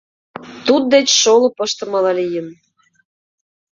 Туддеч шолып ыштымыла лийын!